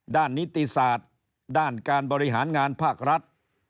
นิติศาสตร์ด้านการบริหารงานภาครัฐ